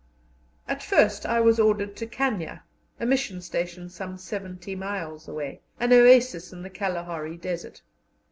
At first I was ordered to Kanya, a mission station some seventy miles away, an oasis in the Kalahari Desert.